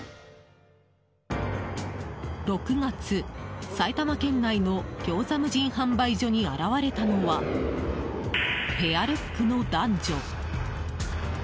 ６月、埼玉県内のギョーザ無人販売所に現れたのはペアルックの男女。